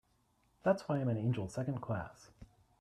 That's why I'm an angel Second Class.